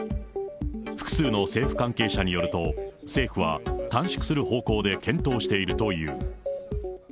複数の政府関係者によると、政府は、短縮する方向で検討しているという。